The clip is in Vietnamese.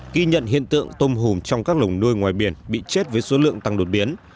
ghi nhận hiện tượng tôm hùm trong các lồng nuôi ngoài biển bị chết với số lượng tăng đột biến